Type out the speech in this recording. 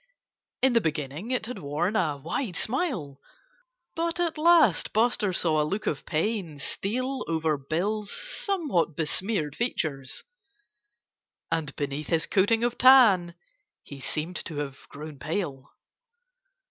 In the beginning it had worn a wide smile. But at last Buster saw a look of pain steal over Bill's somewhat besmeared features. And beneath his coating of tan he seemed to have grown pale.